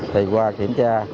thì qua kiểm tra